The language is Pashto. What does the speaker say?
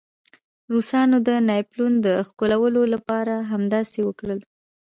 روسانو د ناپلیون د ښکېلولو لپاره همداسې وکړل.